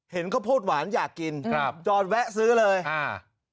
ข้าวโพดหวานอยากกินครับจอดแวะซื้อเลยอ่า